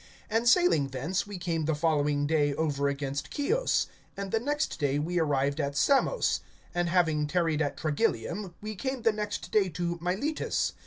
(15)And sailing thence, we came the following day over against Chios; and the next day we arrived at Samos; and having tarried at Trogyllium, we came the next day to Miletus.